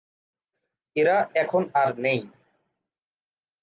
এরা এখন আর নেই।